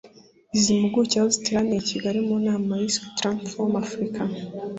Izi mpuguke aho ziteraniye I Kigali mu nama yiswe Tranform Afrika